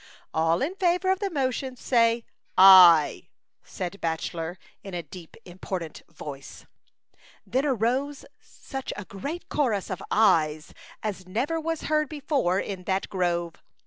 " All in favor of the motion say * aye,' " said Bachelor, in a deep, im portant voice And then arose such a chorus of ''aye's" as never was heard before in that grove.